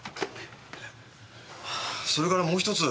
それからもう１つ。